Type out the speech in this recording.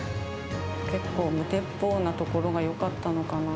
結構、無鉄砲なところがよかったのかな。